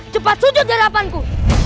cepat sujud di hadapanku